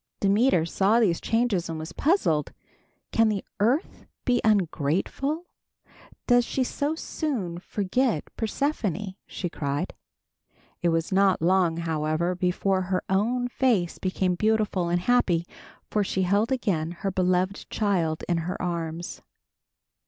Demeter saw these changes and was puzzled. "Can the earth be ungrateful? Does she so soon forget Persephone?" she cried. It was not long however before her own face became beautiful and happy, for she held again her beloved child in her arms.